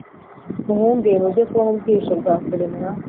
Muhunge mujye kuba mu bwihisho bwa kure mwa